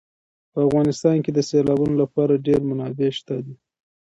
په افغانستان کې د سیلابونو لپاره ډېرې منابع شته دي.